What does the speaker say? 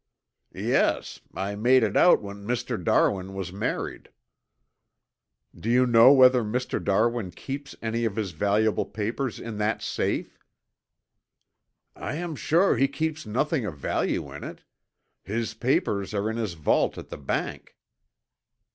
"Yes. I made it out when Mr. Darwin was married." "Do you know whether Mr. Darwin keeps any of his valuable papers in that safe?" "I am sure he keeps nothing of value in it. His papers are in his vault at the bank."